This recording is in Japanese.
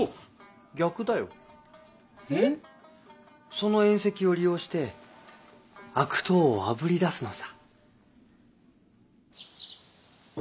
その宴席を利用して悪党をあぶり出すのさ。